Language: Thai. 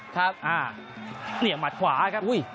ครับเนี่ยหมัดขวาครับ